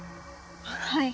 はい。